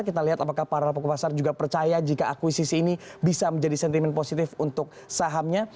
kita lihat apakah para pokok pasar juga percaya jika akuisisi ini bisa menjadi sentimen positif untuk sahamnya